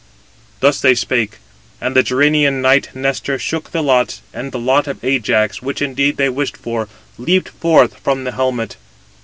Thus they spake, and the Gerenian knight Nestor shook [the lots], and the lot of Ajax, which indeed they wished for, leaped forth from the helmet.